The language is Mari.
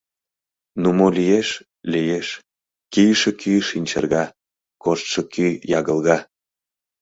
Ну, мо лиеш — лиеш: кийыше кӱ шинчырга, коштшо кӱ ягылга!